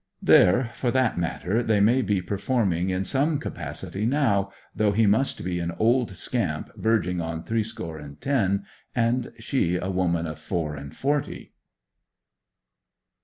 There, for that matter, they may be performing in some capacity now, though he must be an old scamp verging on threescore and ten, and she a woman of four and forty.